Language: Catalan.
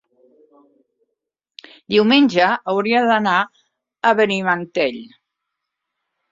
Diumenge hauria d'anar a Benimantell.